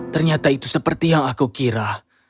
ternyata itu seperti yang aku kira